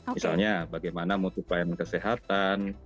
misalnya bagaimana motif pelayanan kesehatan